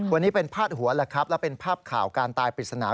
วันนี้เป็นพาดหัวแหละครับแล้วเป็นภาพข่าวการตายปริศนา